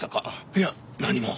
いや何も。